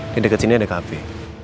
di dekat sini ada kafe